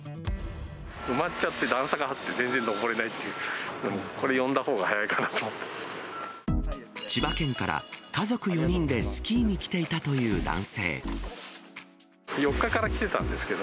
埋まっちゃって、段差があって、全然登れないっていう、これ、千葉県から家族４人でスキー４日から来てたんですけど、